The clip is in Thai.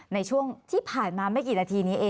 ในช่วงที่ผ่านมาไม่กี่นาทีนี้เอง